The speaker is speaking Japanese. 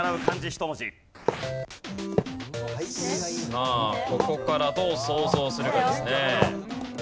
さあここからどう想像するかですね。